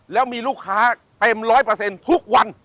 แล้วมีลูกค้าเต็มร้อยเปอร์เซ็นต์ทุกวัน